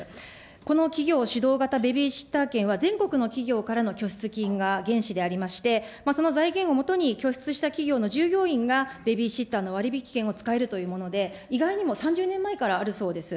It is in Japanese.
この企業主導型ベビーシッター券は、全国の企業からの拠出金が原資でありまして、その財源を基に、拠出した企業の従業員がベビーシッターの割り引き券を使えるというもので、以外にも３０年前からあるそうです。